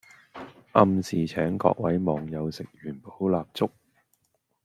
暗示請各位網友食元寶蠟燭